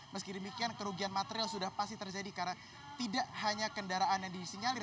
meski demikian kerugian material sudah pasti terjadi karena tidak hanya kendaraan yang disinyalir